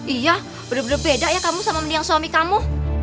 iya benar benar beda ya kamu sama yang suami kamu